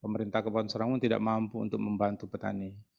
pemerintah kabupaten sarawangun tidak mampu untuk membantu petani